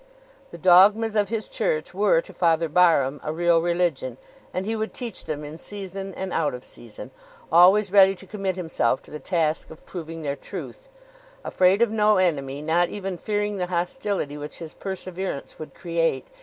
The dogmas of his Church were to Father Barham a real religion; and he would teach them in season and out of season, always ready to commit himself to the task of proving their truth, afraid of no enemy, not even fearing the hostility which his perseverance would create.